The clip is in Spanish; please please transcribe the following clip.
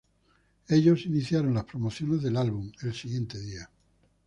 Ellos iniciaron las promociones del álbum, el siguiente día.